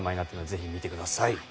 ぜひ見てください。